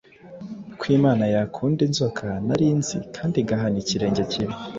Ko Imana yakunda Inzoka nari nzi, kandi igahana ikirenge kibi